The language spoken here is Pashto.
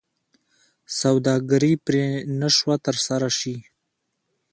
سوداګري پرې نه شوه ترسره شي.